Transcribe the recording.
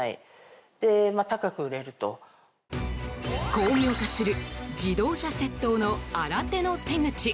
巧妙化する自動車窃盗の新手の手口。